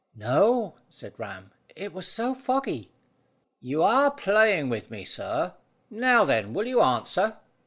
"No," said Ram. "It was so foggy." "You are playing with me, sir. Now then, will you answer?"